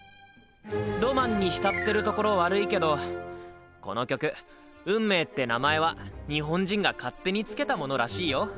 ロマンに浸ってるところ悪いけどこの曲「運命」って名前は日本人が勝手に付けたものらしいよ。